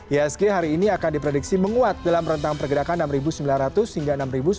isg hari ini akan diprediksi menguat dalam rentang pergerakan enam sembilan ratus hingga enam sembilan ratus